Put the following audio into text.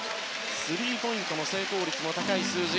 スリーポイントの成功率も高い数字。